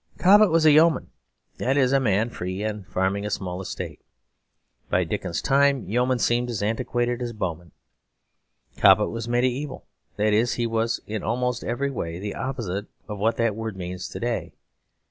Cobbett was a yeoman; that is, a man free and farming a small estate. By Dickens's time, yeomen seemed as antiquated as bowmen. Cobbett was mediaeval; that is, he was in almost every way the opposite of what that word means to day.